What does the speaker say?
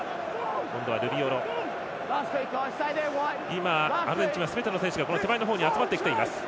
今、アルゼンチンはすべての選手が手前の方に集まってきています。